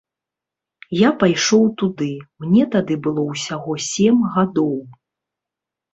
Я пайшоў туды, мне тады было ўсяго сем гадоў.